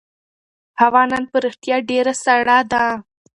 هوا نن په رښتیا ډېره سړه ده.